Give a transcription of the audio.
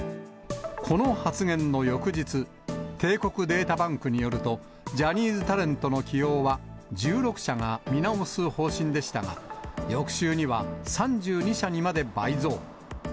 この発言の翌日、帝国データバンクによると、ジャニーズタレントの起用は、１６社が見直す方針でしたが、翌週には３２社にまで倍増。